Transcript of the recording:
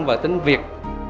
và tính việc